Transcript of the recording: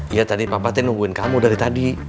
iya tadi papa teh nungguin kamu dari tadi